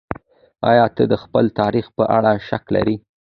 ايا ته د خپل تاريخ په اړه شک لرې؟